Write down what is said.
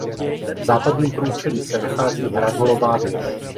V západním průčelí se nachází hranolová věž.